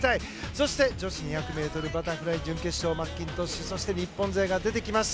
そして、女子２００ｍバタフライ準決勝にはマッキントッシュそして日本勢が出てきます。